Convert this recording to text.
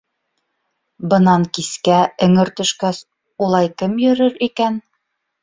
Бынан кискә, эңер төшкәс, улай кем йөрөр икән?